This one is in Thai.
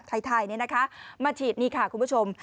อบแบบไทยเนี่ยนะคะมาฉีดนี่ค่ะคุณผู้ชม